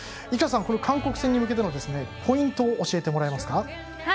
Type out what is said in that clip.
市川さん、韓国戦に向けてのポイントを教えてもらえますか。